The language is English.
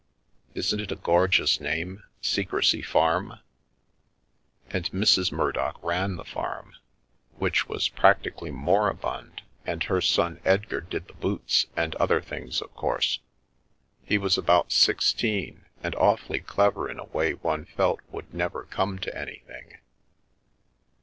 Isn't it a gorgeous name — Secrecy Farm? And Mrs. Murdock ran the farm, which was practically The Milky Way moribund, and her son Edgar did the boots, and other things, of course. He was about sixteen, and awfully clever in a way one felt would never come to anything.